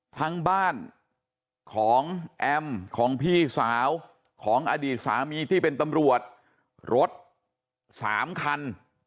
ทั้งบ้านของแอมของพี่สาวของอดีตสามีที่เป็นตำรวจรถ๓คัน